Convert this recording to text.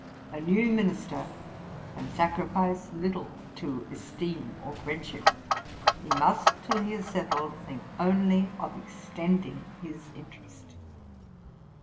A new minister can sacrifice little to esteem or friendship; he must, till he is settled, think only of extending his interest.